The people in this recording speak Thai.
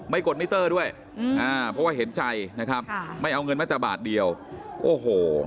กดมิเตอร์ด้วยอืมอ่าเพราะว่าเห็นใจนะครับค่ะไม่เอาเงินแม้แต่บาทเดียวโอ้โห